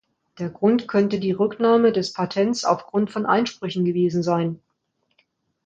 Der Grund könnte die Rücknahme des Patents aufgrund von Einsprüchen gewesen sein.